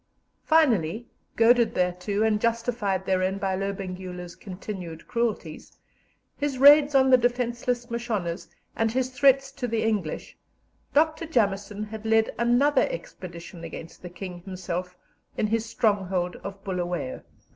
Finally, goaded thereto and justified therein by Lobengula's continued cruelties, his raids on the defenceless Mashonas, and his threats to the English, Dr. Jameson had led another expedition against the King himself in his stronghold of Bulawayo.